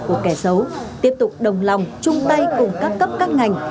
tại cuộc kẻ xấu tiếp tục đồng lòng chung tay cùng các cấp các ngành